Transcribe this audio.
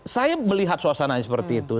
saya melihat suasananya seperti itu